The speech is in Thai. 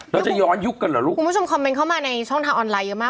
แล้วจะย้อนยุคกันเหรอลูกคุณผู้ชมคอมเมนต์เข้ามาในช่องทางออนไลน์เยอะมาก